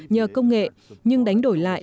nhờ công nghệ nhưng đánh đổi lại